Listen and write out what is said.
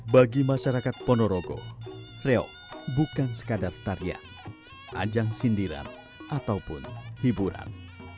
bagi masyarakat ponorogo reok bukan sekadar tarian ajang sindiran ataupun hiburan